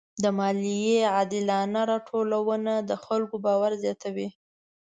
د مالیې عادلانه راټولونه د خلکو باور زیاتوي.